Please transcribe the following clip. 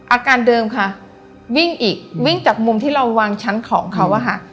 อาการเดิมค่ะวิ่งอีกวิ่งจากมุมที่เราวางชั้นของเขาอะค่ะ